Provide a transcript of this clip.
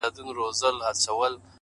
د زلفو تار يې د سپين مخ پر دايره راڅرخی;